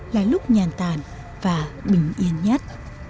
là lúc nhàn tàn và bình yên nhất